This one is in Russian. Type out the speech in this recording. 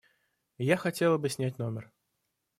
Я хотела бы снять номер.